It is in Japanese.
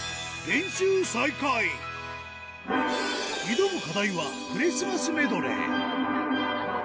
挑む課題は、クリスマスメドレー。